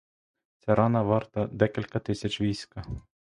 Ця рана варта декілька тисяч війська.